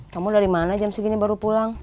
kamu dari mana jam segini baru pulang